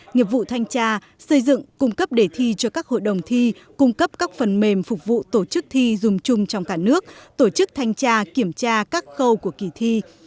nghiệp vụ thanh tra xây dựng cung cấp đề thi cho các hội đồng thi cung cấp các phần mềm phục vụ tổ chức thi dùng chung trong cả nước tổ chức thanh tra kiểm tra các khâu của kỳ thi